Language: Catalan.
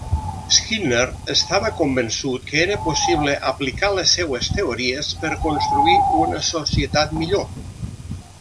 Skinner estava convençut que era possible aplicar les seues teories per construir una societat millor.